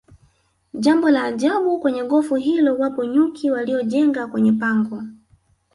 Jambo la ajabu kwenye gofu hilo wapo nyuki waliojenga kwenye pango